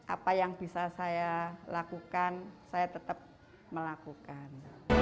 apa yang bisa saya lakukan saya tetap melakukan